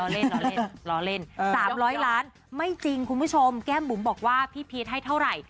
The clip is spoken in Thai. เล่นล้อเล่นล้อเล่น๓๐๐ล้านไม่จริงคุณผู้ชมแก้มบุ๋มบอกว่าพี่พีชให้เท่าไหร่